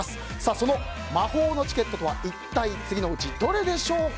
その魔法のチケットとは一体、次のうちどれでしょうか。